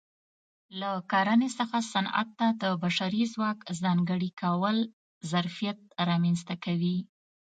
له کرنې څخه صنعت ته د بشري ځواک ځانګړي کول ظرفیت رامنځته کوي